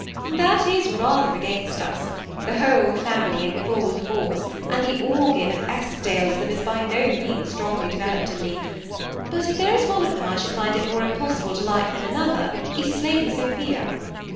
'^ That is rather against us ; the whole family in full force, and the organ of Eskdaleism is by no means strongly developed in me ; but if there is one of them I should find it more impossible to like than another, it is Lady Sophia.